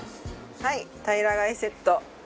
はい、たいら貝セット。